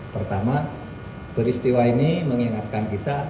pertama peristiwa ini mengingatkan kita